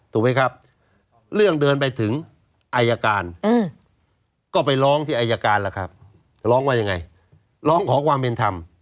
ถูกไหมครับเรื่องเดินไปถึงอายการก็ไปร้องที่อายการล่ะครับร้องว่ายังไงร้องขอความเป็นธรรม